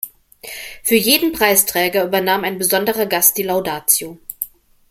Für jeden Preisträger übernahm ein besonderer Gast die Laudatio.